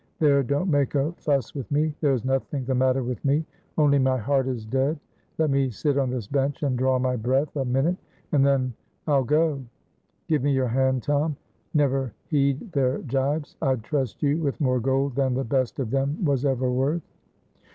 "There, don't make a fuss with me. There is nothing the matter with me only my heart is dead. Let me sit on this bench and draw my breath a minute and then I'll go. Give me your hand, Tom. Never heed their jibes. I'd trust you with more gold than the best of them was ever worth."